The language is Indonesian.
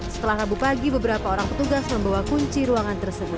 setelah rabu pagi beberapa orang petugas membawa kunci ruangan tersebut